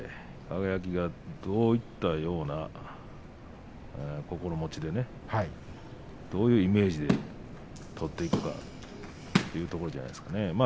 輝はどういう心持ちでどういうイメージで取っていくかというところじゃないですか。